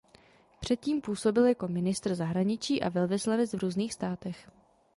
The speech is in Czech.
Před tím působil jako ministr zahraničí a velvyslanec v různých státech.